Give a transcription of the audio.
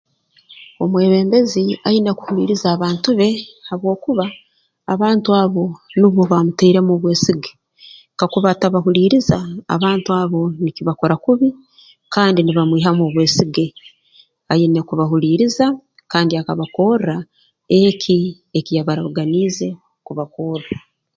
Omwebembezi aine kuhuuliiriza abantu be habwokuba abantu abo nubo baamutairemu obwesige kakuba atabahuuliiriza abantu abo nikibakora kubi kandi nibamwihamu obwesige aine kubahuuliiriza kandi akabakorra eki ekiyabaraganiize kubakorra